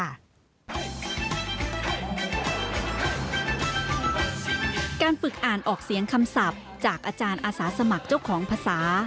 การฝึกอ่านออกเสียงคำศัพท์จากอาจารย์อาสาสมัครเจ้าของภาษา